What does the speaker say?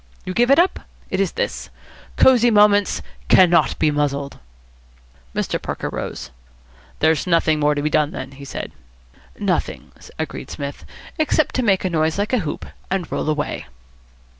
You give it up? It is this: 'Cosy Moments cannot be muzzled!'" Mr. Parker rose. "There's nothing more to be done then," he said. "Nothing," agreed Psmith, "except to make a noise like a hoop and roll away."